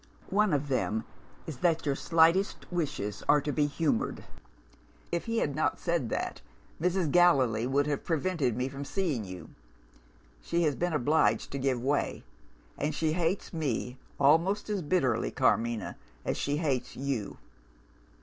One of them is that your slightest wishes are to be humoured. If he had not said that, Mrs. Gallilee would have prevented me from seeing you. She has been obliged to give way; and she hates me almost as bitterly, Carmina, as she hates you.